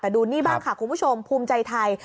แต่ดูนี่บ้างค่ะคุณผู้ชมภูมิใจไทย